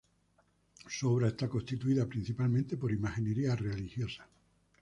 Su obra está constituida principalmente por imaginería religiosa.